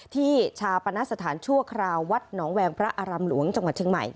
ชาปณสถานชั่วคราววัดหนองแวงพระอารามหลวงจังหวัดเชียงใหม่